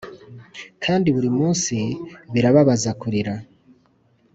kandi burimunsi birababaza kurira.